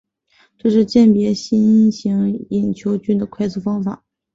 这是鉴别新型隐球菌的快速方法。